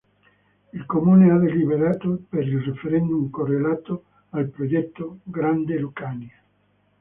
Il comune ha deliberato per il referendum correlato al progetto "Grande Lucania".